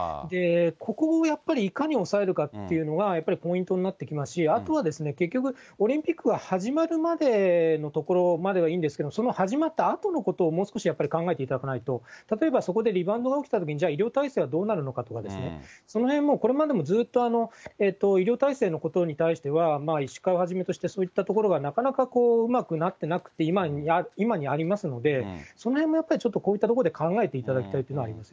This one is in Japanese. ここをやっぱりいかに抑えるかっていうのがポイントになってきますし、あとは結局、オリンピックは始まるまでのところまではいいんですけど、その始まったあとのことをもう少し考えていただかないと、例えばそこでリバウンドが起きたときに、じゃあ、医療体制どうなるのかとかですね、そのへん、これまでもずっと医療体制のことに対しては、医師会をはじめとして、そういったところがなかなかうまくなってなくて、今にありますので、そのへんもちょっとこのへんで考えていただきたいと思います。